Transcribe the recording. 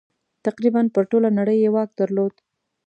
تقریباً پر ټوله نړۍ یې واک درلود.